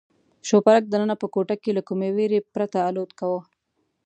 شوپرک دننه په کوټه کې له کومې بېرې پرته الوت کاوه.